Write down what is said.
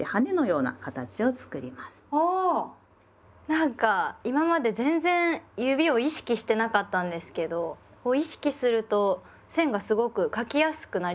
なんか今まで全然指を意識してなかったんですけど意識すると線がすごく書きやすくなりました。